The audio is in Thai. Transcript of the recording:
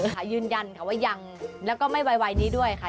ค่ะยืนยันค่ะว่ายังแล้วก็ไม่ไวนี้ด้วยค่ะ